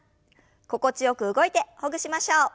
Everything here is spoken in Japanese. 心地よく動いてほぐしましょう。